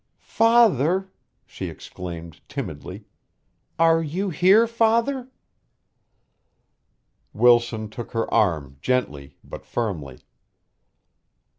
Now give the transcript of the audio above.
"Father!" she exclaimed timidly. "Are you here, father?" Wilson took her arm gently but firmly.